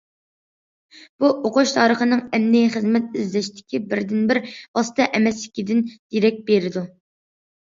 بۇ، ئوقۇش تارىخىنىڭ ئەمدى خىزمەت ئىزدەشتىكى بىردىنبىر« ۋاسىتە» ئەمەسلىكىدىن دېرەك بېرىدۇ.